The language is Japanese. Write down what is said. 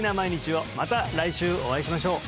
また来週お会いしましょう！